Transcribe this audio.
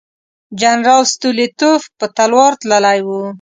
جنرال ستولیتوف په تلوار تللی وو.